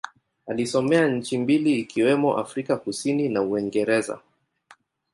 Alisomea nchi mbili ikiwemo Afrika Kusini na Uingereza.